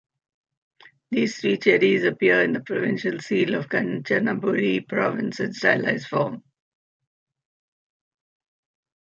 These three chedis appear in the provincial seal of Kanchanaburi Province in stylized form.